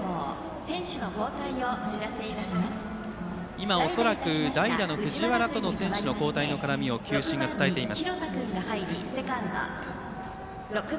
今、恐らく代打の藤原の交代の絡みを球審が伝えています。